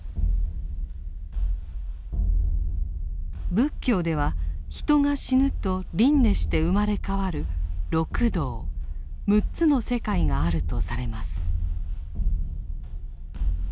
仏教では人が死ぬと輪廻して生まれ変わる「六道」六つの世界があるとされます。